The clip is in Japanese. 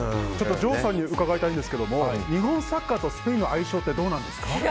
城さんに伺いたいんですが日本サッカーとスペインの相性ってどうなんですか？